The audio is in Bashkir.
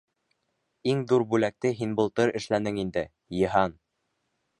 Иң ҙур бүләкте һин былтыр эшләнең инде, Йыһан!